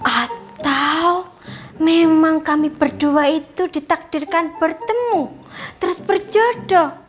atau memang kami berdua itu ditakdirkan bertemu terus berjodoh